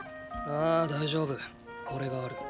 ああ大丈夫これがある。